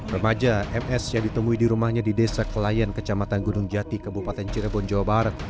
remaja ms yang ditemui di rumahnya di desa kelayan kecamatan gunung jati kabupaten cirebon jawa barat